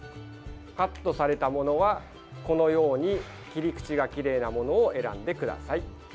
カットされたものは、このように切り口がきれいなものを選んでください。